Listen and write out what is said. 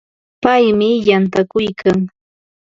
Paymi yantakuykan.